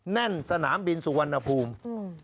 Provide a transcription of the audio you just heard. แน่นสนามบินสุวรรณภูมิ